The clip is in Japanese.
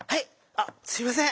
あすいません！